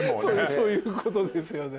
そういうことですよね。